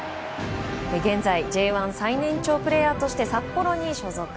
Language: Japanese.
現在、Ｊ１最年長プレーヤーとして札幌に所属。